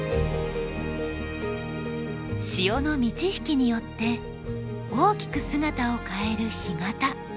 潮の満ち引きによって大きく姿を変える干潟。